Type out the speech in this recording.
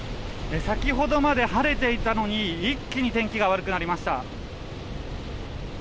先ほどまで晴れていたのに一気に天気が悪くなりました。